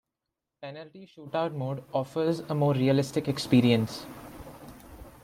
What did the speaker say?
Penalty Shoot-Out mode offers a more realistic experience.